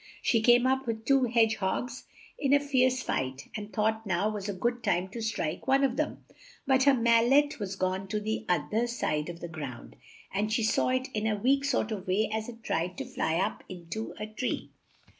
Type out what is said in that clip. She came up with two hedge hogs in a fierce fight, and thought now was a good time to strike one of them, but her mal let was gone to the oth er side of the ground, and she saw it in a weak sort of way as it tried to fly up in to a tree.